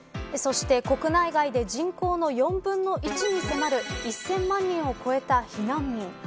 そして国内外で人口の４分の１に迫る１０００万人を超えた避難民。